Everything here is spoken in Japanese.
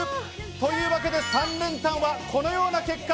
というわけで３連単はこのような結果。